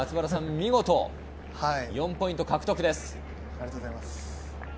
見事４ポイント獲得です。